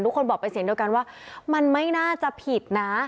ทุกคนบอกเป็นเสียงเดียวกันว่ามันไม่น่าจะผิดนะ